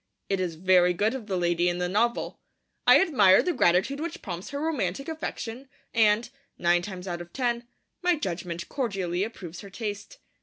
It is very good of the lady in the novel. I admire the gratitude which prompts her romantic affection, and, nine times out of ten, my judgement cordially approves her taste.